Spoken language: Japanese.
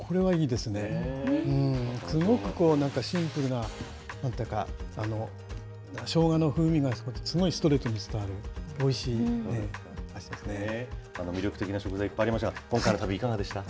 すごくシンプルな、なんというか、しょうがの風味がすごいストレートに伝わる、魅力的な食材いっぱいありましたが、今回の旅、いかがでしたか。